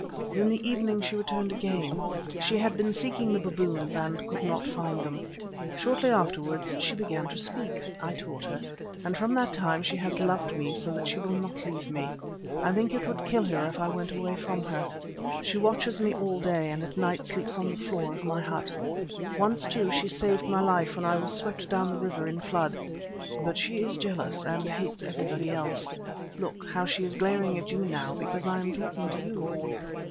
But in the evening she returned again. She had been seeking the baboons, and could not find them. Shortly afterwards she began to speak—I taught her—and from that time she has loved me so that she will not leave me. I think it would kill her if I went away from her. She watches me all day, and at night sleeps on the floor of my hut. Once, too, she saved my life when I was swept down the river in flood; but she is jealous, and hates everybody else. Look, how she is glaring at you now because I am talking to you!"